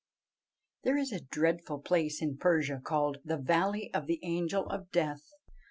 There is a dreadful place in Persia called the "Valley of the Angel of Death."